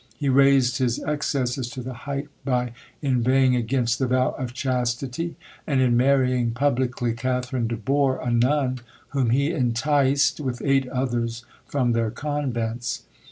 He raised his excesses to the height by inveighing against the vow of chastity, and in marrying publicly Catherine de Bore, a nun, whom he enticed, with eight others, from their convents.